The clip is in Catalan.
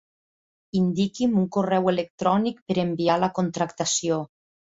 Indiqui'm un correu electrònic per enviar la contractació.